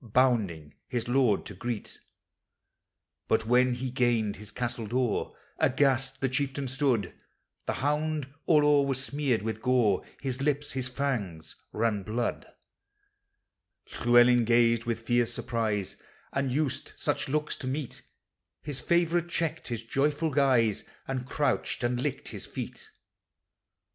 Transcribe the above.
Bounding his lord to greet But, when he gained his castle door. Aghast the chieftain stood ; The hound all o'er was smeared with gOfl His lips, his fangs, ran blood. Llewellyn gazed with fierce surprise; Unused such looks to meet, His favorite cheeked his joyful guise, And crouched, and licked his feet 362 POEMS OF NATURE.